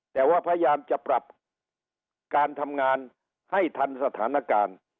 แต่ว่าพยายามจะปรับการทำงานให้ทันสถานการณ์